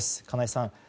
金井さん